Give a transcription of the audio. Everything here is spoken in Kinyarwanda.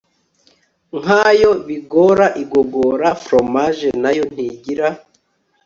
nkayo bigora igogora Fromaje na yo ntigira